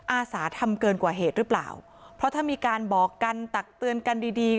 อาสาทำเกินกว่าเหตุหรือเปล่าเพราะถ้ามีการบอกกันตักเตือนกันดีดี